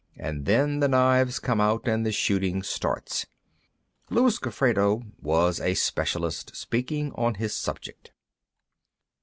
And then the knives come out, and the shooting starts." Luis Gofredo was also a specialist, speaking on his subject.